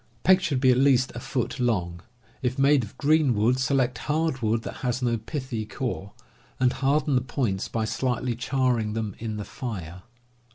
Pegs should be at least a foot long. If made of green wood, select hard wood that has no pithy core, and harden the points by slightly charring them in the fire.